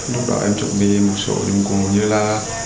lúc đó em chuẩn bị một số đồng quân như là